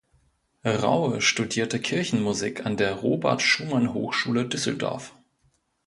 Raue studierte Kirchenmusik an der Robert Schumann Hochschule Düsseldorf.